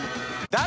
誰！？